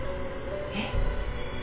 えっ？